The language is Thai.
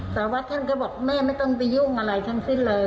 สารวัตรท่านก็บอกแม่ไม่ต้องไปยุ่งอะไรทั้งสิ้นเลย